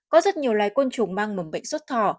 có rất nhiều loài côn trùng mang mầm bệnh sốt thỏ